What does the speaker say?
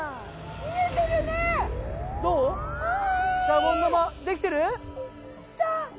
シャボン玉できてる？きた！